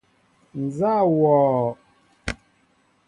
Nzá wɔɔ ?